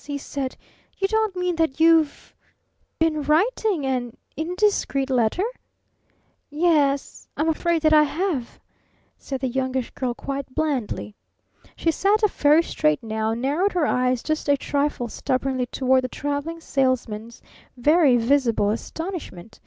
he said. "You don't mean that you've been writing an 'indiscreet letter'?" "Y e s I'm afraid that I have," said the Youngish Girl quite blandly. She sat up very straight now and narrowed her eyes just a trifle stubbornly toward the Traveling Salesman's very visible astonishment.